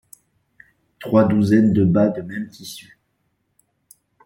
trois douzaines de bas de même tissu.